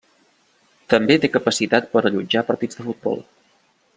També té capacitat per allotjar partits de futbol.